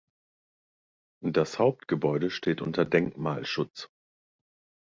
Das Hauptgebäude steht unter Denkmalschutz.